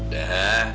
ya enggak sih